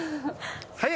早い？